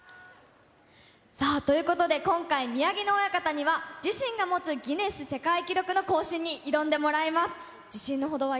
さあ、ということで、今回、宮城野親方には、自身が持つギネス世界記録の更新に挑んでもらいます。